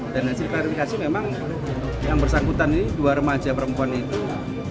dan hasil klarifikasi memang yang bersangkutan ini dua remaja perempuan itu